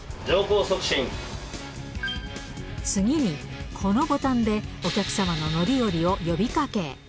次に、このボタンでお客様の乗り降りを呼びかけ。